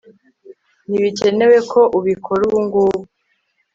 Ntibikenewe ko ubikora ubungubu